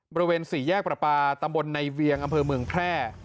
บริเวณ๔แยกประปาตำบลในเวียงอำเภอเมืองแพร่